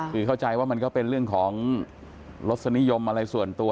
คือเข้าใจว่ามันก็เป็นเรื่องของรสนิยมอะไรส่วนตัว